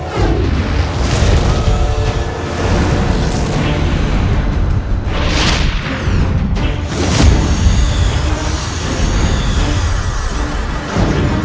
secara hati anda allah ku